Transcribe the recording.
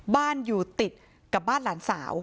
บ้านอยู่ติดกับบ้านหลานสาว